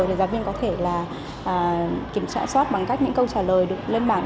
thì giáo viên có thể là kiểm tra soát bằng cách những câu trả lời được lên mạng